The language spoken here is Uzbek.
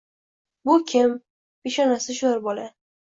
Bu kim? Peshonasi shoʻr bola